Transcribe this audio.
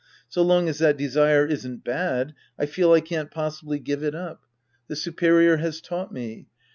So long as that desire isn't bad, I feel I can't possibly give it up. The superior has taught me.